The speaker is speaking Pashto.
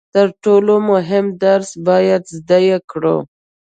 تر ټولو مهم درس باید زده یې کړو.